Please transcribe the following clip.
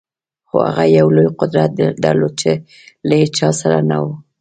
خو هغه یو لوی قدرت درلود چې له هېچا سره نه و